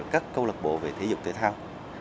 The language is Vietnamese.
các câu lạc bộ về thể dục thể thao